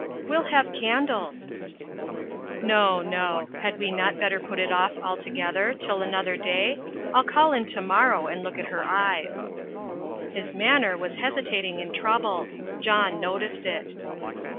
"We'll have candles." "No no! Had we not better put it off altogether, till another day? I'll call in to morrow and look at her eyes." His manner was hesitating and troubled. John noticed it.